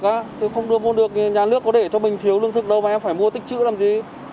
không ôn được á thì không ôn được nhà nước có để cho mình thiếu lương thực đâu mà em phải mua tích chữ làm gì